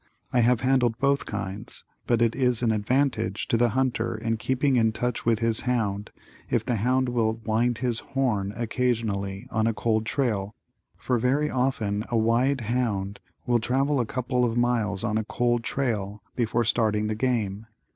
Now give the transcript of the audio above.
I have handled both kinds but it is an advantage to the hunter in keeping in touch with his hound if the hound will "wind his horn" occasionally on a cold trail for very often a wide hound will travel a couple of miles on a cold trail before starting the game.